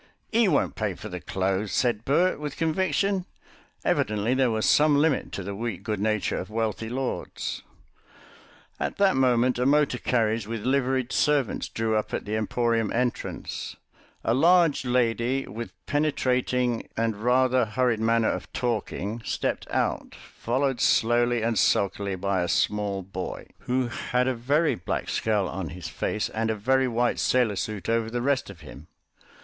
"'E won't pay for the clothes," said Bert, with conviction. Evidently there was some limit to the weak good nature of wealthy lords. At that moment a motor carriage with liveried servants drew up at the emporium entrance; a large lady, with a penetrating and rather hurried manner of talking, stepped out, followed slowly and sulkily by a small boy, who had a very black scowl on his face and a very white sailor suit over the rest of him.